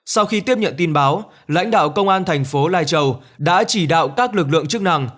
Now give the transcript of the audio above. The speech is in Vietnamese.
sau khi tiếp nhận tin báo lãnh đạo công an thành phố lai châu đã chỉ đạo các lực lượng chức năng